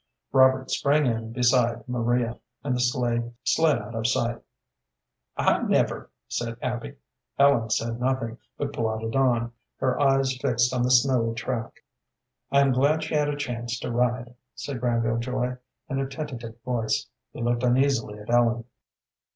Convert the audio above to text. Robert sprang in beside Maria, and the sleigh slid out of sight. "I never!" said Abby. Ellen said nothing, but plodded on, her eyes fixed on the snowy track. "I am glad she had a chance to ride," said Granville Joy, in a tentative voice. He looked uneasily at Ellen.